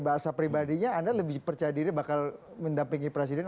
bahasa pribadinya anda lebih percaya diri bakal mendampingi presiden